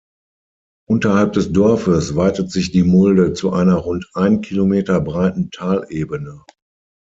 Unterhalb des Dorfes weitet sich die Mulde zu einer rund ein Kilometer breiten Talebene.